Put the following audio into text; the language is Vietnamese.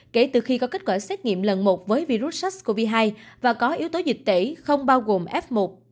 kể từ khi có kết quả xét nghiệm lần một với virus sars cov hai và có yếu tố dịch tễ không bao gồm f một